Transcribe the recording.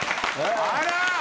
あら！